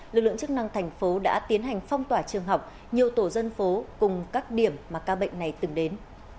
lực lượng chức năng thành phố đã tiến hành phong tỏa trường học nhiều tổ dân phố cùng các điểm mà ca bệnh này từng đến